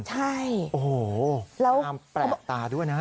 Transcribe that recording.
โอ้โห้ตามแปลกตาด้วยนะ